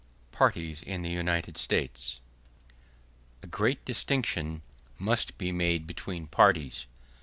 Parties In The United States A great distinction must be made between parties.